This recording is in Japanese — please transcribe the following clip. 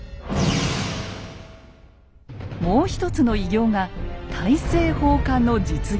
もう一つの偉業が「大政奉還」の実現。